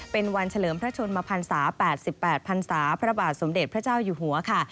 เป็นวันเฉลิมพระชนมพันศา๘๘พันศาพระบาทสมเด็จพระเจ้าอยู่หัวค่ะ